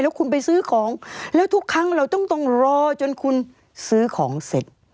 แล้วคุณไปซื้อของแล้วทุกครั้งเราต้องรอจนคุณซื้อของเสร็จ